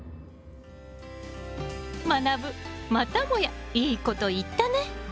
まなぶまたもやいいこと言ったね。